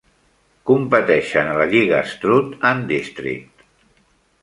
Competeixen a la Lliga Stroud and District.